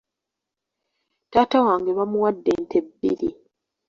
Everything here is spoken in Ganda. Taata wange bamuwadde ente bbiri.